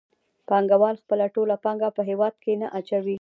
پانګوال خپله ټوله پانګه په هېواد کې نه اچوي